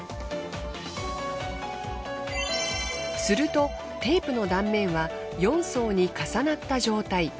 するとテープの断面は４層に重なった状態。